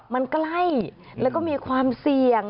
มันใกล้แล้วก็มีความเสี่ยง